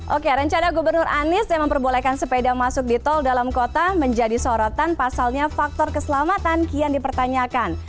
oke rencana gubernur anies yang memperbolehkan sepeda masuk di tol dalam kota menjadi sorotan pasalnya faktor keselamatan kian dipertanyakan